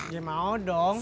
ya mau dong